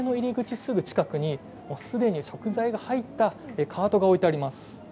すぐ近くに既に食材が入ったカートが置いてあります。